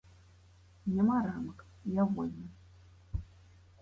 Няма рамак, я вольны.